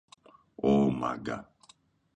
Ω, Μάγκα!